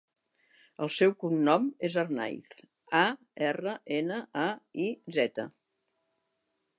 El seu cognom és Arnaiz: a, erra, ena, a, i, zeta.